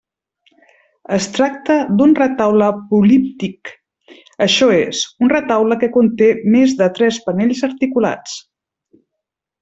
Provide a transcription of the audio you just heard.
Es tracta d'un retaule políptic, això és, un retaule que conté més de tres panells articulats.